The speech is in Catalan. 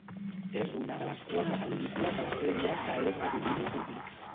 És una de les quatre pel·lícules de la sèrie que és de domini públic.